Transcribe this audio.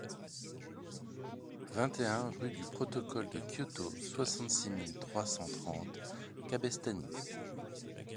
vingt et un rue du Protocole de Kyoto, soixante-six mille trois cent trente Cabestany